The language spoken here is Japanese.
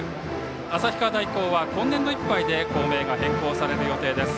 旭川大高は今年度いっぱいで校名が変更される予定です。